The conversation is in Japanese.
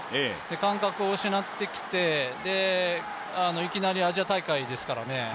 感覚を失ってきて、いきなりアジア大会ですからね。